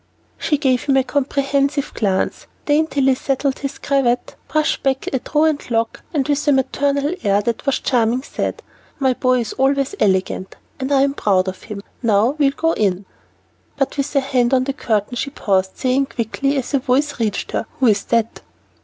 She gave him a comprehensive glance, daintily settled his cravat, brushed back a truant lock, and, with a maternal air that was charming, said, "My boy is always elegant, and I'm proud of him. Now we'll go in." But with her hand on the curtain she paused, saying quickly, as a voice reached her, "Who is that?"